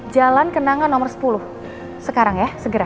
jalan kenangan nomor sepuluh sekarang ya segera